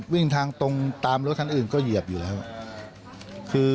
วิ่งทางตรงตามรถทางอื่นก็เหยียบอยู่